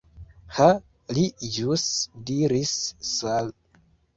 Ha, li ĵus diris "Sal."